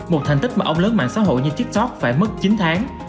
một thành tích mà ông lớn mạng xã hội như tiktok phải mất chín tháng